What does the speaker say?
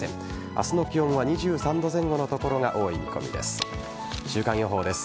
明日の気温は２３度前後の所が多い見込みです。